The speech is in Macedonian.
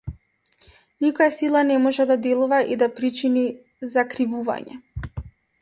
Никоја сила не може да делува и да причини закривување.